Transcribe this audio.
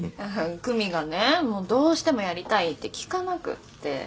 久美がねどうしてもやりたいって聞かなくって。